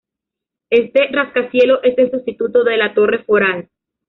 Este rascacielos es el sustituto de la "Torre Foral".